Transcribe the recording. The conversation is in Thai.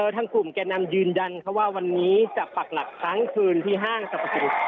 ทางกลุ่มแกนำยืนดันว่าวันนี้จะปรับหลักทั้งคืนที่ห้างชาปสูตร